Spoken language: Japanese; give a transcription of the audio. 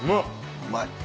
うまい。